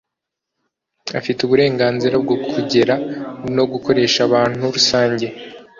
Afite uburenganzira bwo kugera no gukoresha ahantu rusange